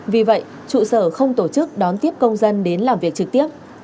vì vậy trụ sở không tổ chức đón tiếp công dân đến làm việc trực tiếp